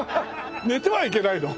寝てはいけないの？